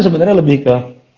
sebenarnya lebih ke